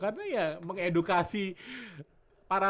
karena ya mengedukasi para rakyat